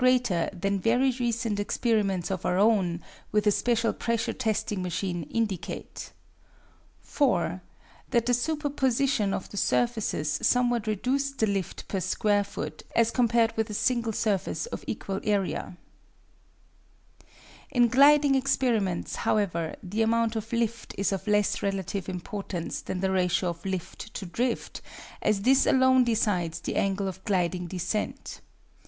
greater than very recent experiments of our own with a special pressure testing machine indicate; (4) that the superposition of the surfaces somewhat reduced the lift per square foot, as compared with a single surface of equal area. In gliding experiments, however, the amount of lift is of less relative importance than the ratio of lift to drift, as this alone decides the angle of gliding descent.